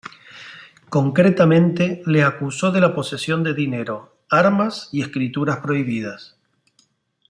Concretamente le acusó de la posesión de dinero, armas y escrituras prohibidas.